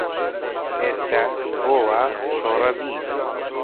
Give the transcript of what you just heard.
ئێستە بۆ وا شۆڕەبی